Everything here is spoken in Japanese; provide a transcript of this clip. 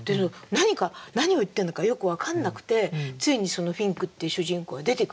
何を言ってるのかよく分かんなくてついにフィンクっていう主人公が出てくんですよね。